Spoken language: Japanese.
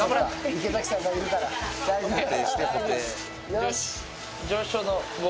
よし。